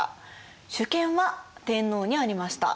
主権は天皇にありました。